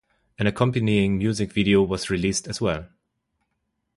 An accompanying music video was released as well.